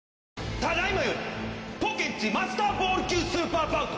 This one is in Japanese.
ただいまよりポケんちマスターボール級スーパーバウト